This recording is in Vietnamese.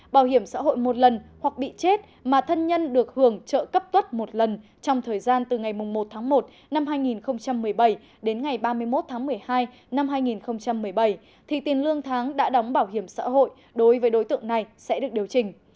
bảo hiểm xã hội một lần hoặc bị chết mà thân nhân được hưởng trợ cấp tuất một lần trong thời gian từ ngày một tháng một năm hai nghìn một mươi bảy đến ngày ba mươi một tháng một mươi hai năm hai nghìn một mươi bảy thì tiền lương tháng đã đóng bảo hiểm xã hội đối với đối tượng này sẽ được điều chỉnh